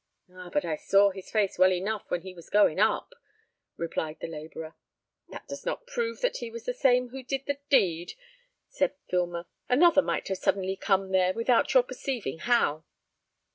"Ah! but I saw his face well enough when he was going up," replied the labourer. "That does not prove that he was the same who did the deed," said Filmer. "Another might have suddenly come there, without your perceiving how."